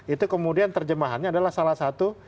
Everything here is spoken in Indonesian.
itu kemudian terjemahannya adalah salah satu